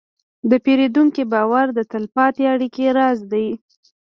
د پیرودونکي باور د تلپاتې اړیکې راز دی.